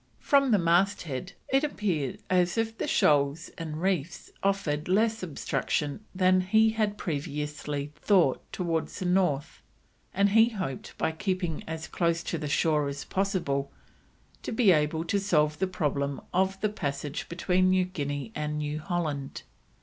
From the masthead it appeared as if the shoals and reefs offered less obstruction than he had previously towards the north, and he hoped, by keeping as close to the shore as possible, to be able to solve the problem of the passage between New Guinea and New Holland.